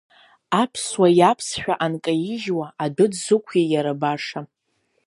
Аԥсуа иаԥсшәа анкаижьуа, адәы дзықәи иара баша?!